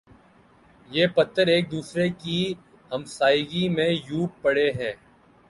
یہ پتھر ایک دوسرے کی ہمسائیگی میں یوں پڑے ہیں